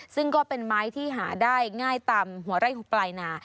ซึ่งก็เป็นไม้ที่หาได้ง่ายตามหัวไร่ของปลายนา